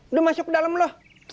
udah masuk ke dalem lu